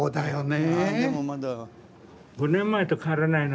あでもまだ。